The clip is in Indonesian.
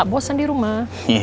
bosan di rumah